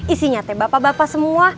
isinya bapak bapak semua